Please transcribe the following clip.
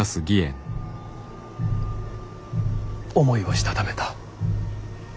思いをしたためた。